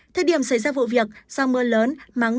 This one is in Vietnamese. thời điểm xảy ra vụ việc do mưa lớn nắng